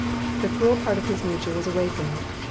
The cruel part of his nature was awakened.